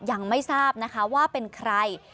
ยังไม่ทราบนะคะว่าเป็นใคร